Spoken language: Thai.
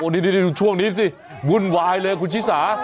นี่ดูช่วงนี้สิวุ่นวายเลยคุณชิสา